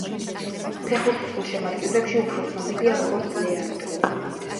ფეხბურთის გულშემატკივრებში უფრო ცნობილია როგორც ლეანდრო.